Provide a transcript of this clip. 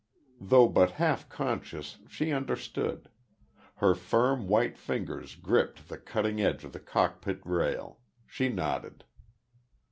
Though but half conscious, she understood. Her firm, white fingers gripped the cutting edge of the cockpit rail; she nodded.